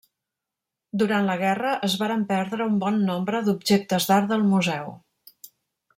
Durant la guerra es varen perdre un bon nombre d'objectes d'art del museu.